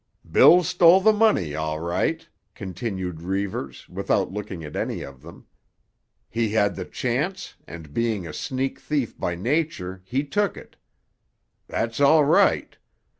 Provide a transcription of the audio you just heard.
"Bill stole the money, all right," continued Reivers, without looking at any of them. "He had the chance, and being a sneak thief by nature he took it. That's all right.